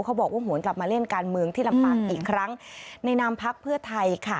บอกว่าหวนกลับมาเล่นการเมืองที่ลำปางอีกครั้งในนามพักเพื่อไทยค่ะ